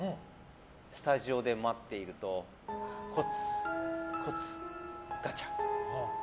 スタジオで待っているとコツコツガチャ。